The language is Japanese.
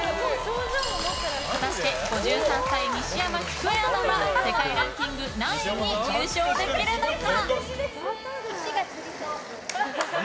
果たして５３歳、西山喜久恵アナは世界ランキング何位に入賞できるのか。